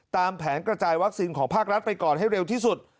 ตามแผนกระจายวัคซีนของภาครัฐไปก่อนให้เร็วที่สุด